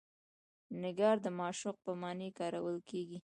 نګار د معشوق په معنی کارول کیږي.